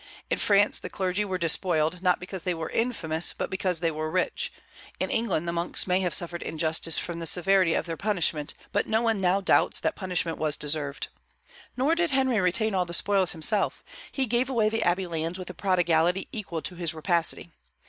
In France the clergy were despoiled, not because they were infamous, but because they were rich, In England the monks may have suffered injustice from the severity of their punishment, but no one now doubts that punishment was deserved. Nor did Henry retain all the spoils himself: he gave away the abbey lands with a prodigality equal to his rapacity.